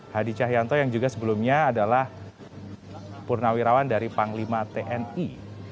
hadi cahyanto yang juga sebelumnya adalah purnawirawan dari panglima tni